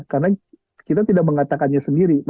karena kita tidak mengatakannya sendiri